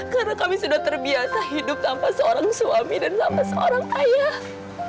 karena kami sudah terbiasa hidup tanpa seorang suami dan tanpa seorang ayah